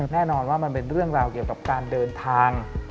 แน่นอนว่ามันเป็นเรื่องราวเกี่ยวกับการเดินทาง